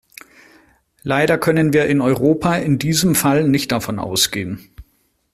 Leider können wir in Europa in diesem Fall nicht davon ausgehen.